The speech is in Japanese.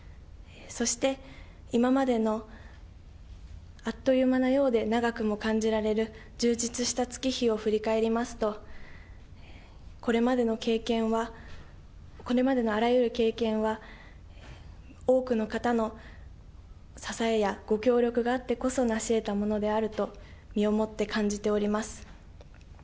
そして今までの、あっという間なようで長くも感じられる、充実した月日を振り返りますと、これまでの経験は、これまでのあらゆる経験は、多くの方の支えやご協力があってこそなしえたものであると、身をもって感じております。